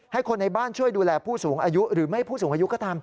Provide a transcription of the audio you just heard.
คนในบ้านช่วยดูแลผู้สูงอายุหรือไม่ผู้สูงอายุก็ตาม